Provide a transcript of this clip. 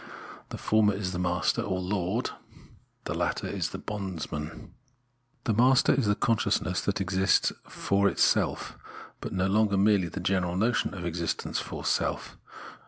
The former is the Master, or Lord, the latter the Bondsman. The master is the consciousness that exists for itself ; but no longer merely the general notion of existence for self.